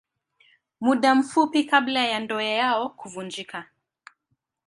Muda mfupi kabla ya ndoa yao kuvunjika.